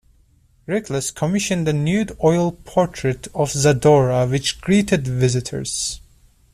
Riklis commissioned a nude oil portrait of Zadora, which greeted visitors.